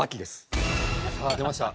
さあ出ました。